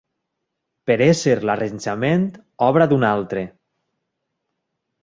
Per ésser l'arranjament obra d'un altre